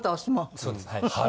そうですはい。